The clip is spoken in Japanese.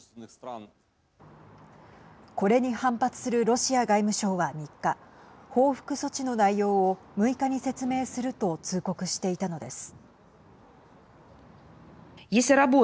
これに反発するロシア外務省は３日報復措置の内容を６日に説明すると通告していたのです。